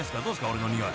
俺のにおい。